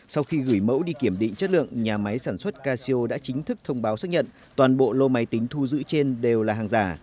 sau khi gửi mẫu đi kiểm định chất lượng nhà máy sản xuất casio đã chính thức thông báo xác nhận toàn bộ lô máy tính thu giữ trên đều là hàng giả